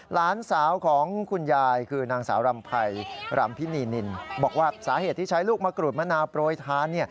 หลานสาวของคุณยายคือนางสาวรำไพรรำพินีนินบอกว่าสาเหตุที่ใช้ลูกมะกรูดมะนาวโปรยทาน